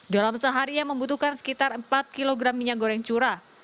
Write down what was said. dalam sehari yang membutuhkan sekitar empat kg minyak goreng curah